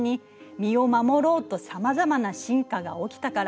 身を守ろうとさまざまな進化が起きたから。